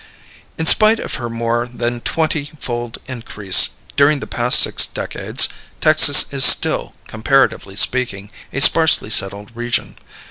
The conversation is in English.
In spite of her more than twenty fold increase during the past six decades, Texas is still, comparatively speaking, a sparsely settled region.